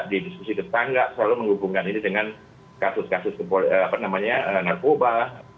di diskusi tetangga selalu menghubungkan ini dengan kasus kasus narkoba